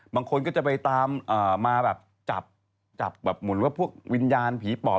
บางคนก็จะไปตามมาจับเหมือนว่าพวกวิญญาณผีปอบ